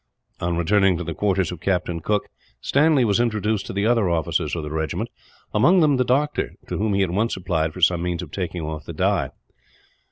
On returning to the quarters of Captain Cooke, Stanley was introduced to the other officers of the regiment; among them the doctor, to whom he at once applied for some means of taking off the dye.